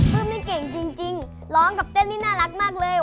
ไม่เก่งจริงร้องกับเต้นนี่น่ารักมากเลย